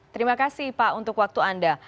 terima kasih pak untuk waktu anda